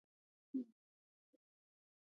غزني د افغانستان د طبیعي پدیدو یو رنګ دی.